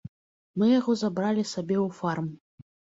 Мы яго забралі сабе ў фарм.